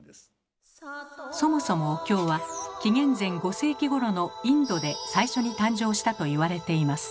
そもそもお経は紀元前５世紀ごろのインドで最初に誕生したと言われています。